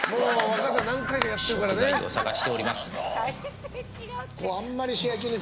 食材を探しております。